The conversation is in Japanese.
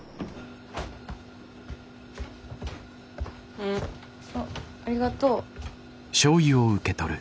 あっありがとう。